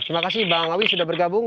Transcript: terima kasih bang ngawi sudah bergabung